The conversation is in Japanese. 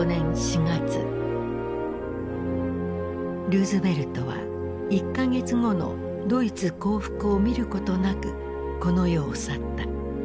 ルーズベルトは１か月後のドイツ降伏を見ることなくこの世を去った。